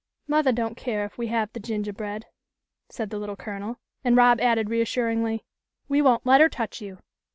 " Mothah doesn't care if we have the gingahbread," said the Little Colonel, and Rob added, reassuringly, "We won't let her touch you.